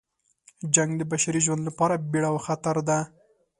جنګ د بشري ژوند لپاره بیړه او خطر ده.